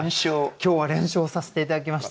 今日は連勝させて頂きました。